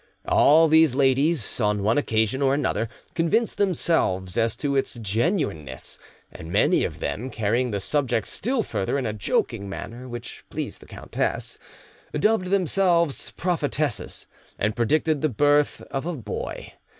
All these ladies, on one occasion or another, convinced themselves as to its genuineness, and many of them, carrying the subject still further, in a joking manner which pleased the countess, dubbed themselves prophetesses, and predicted the birth of a boy.